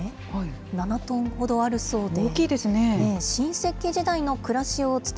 ７トンほどあるそうで。